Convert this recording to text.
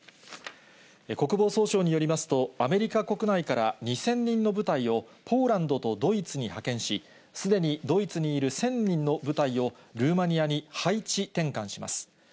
国防総省によりますと、アメリカ国内から２０００人の部隊を、ポーランドとドイツに派遣し、すでにドイツにいる１０００人の部隊をルーマニアに配置転換します。